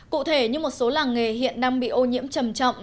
cụ thể như một số làng nghề hiện đang bị ô nhiễm trầm trọng